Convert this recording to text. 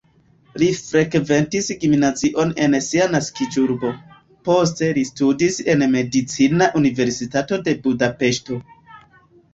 Li frekventis gimnazion en sia naskiĝurbo, poste li studis en Medicina Universitato de Budapeŝto.